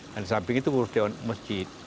dan selanjutnya itu berusaha masjid